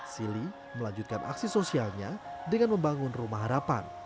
silly melanjutkan aksi sosialnya dengan membangun rumah harapan